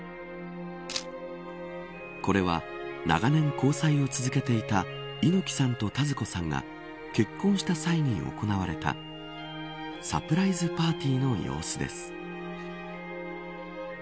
これは、長年交際を続けていた猪木さんと田鶴子さんが結婚した際に行われたサプライズパーティーの様子です。